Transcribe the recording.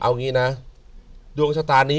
เอางี้นะ